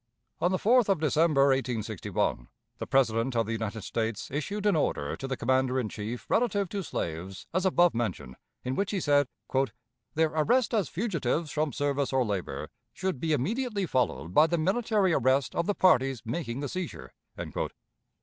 On the 4th of December, 1861, the President of the United States issued an order to the commander in chief relative to slaves as above mentioned, in which he said, "Their arrest as fugitives from service or labor should be immediately followed by the military arrest of the parties making the seizure."